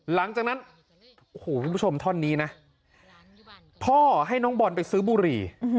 หลังจากนั้นโอ้โหคุณผู้ชมท่อนนี้นะพ่อให้น้องบอลไปซื้อบุหรี่